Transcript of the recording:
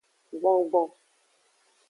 Gbongbon.